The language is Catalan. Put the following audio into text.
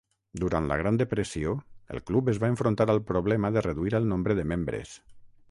Durant la Gran Depressió, el club es va enfrontar al problema de reduir el nombre de membres.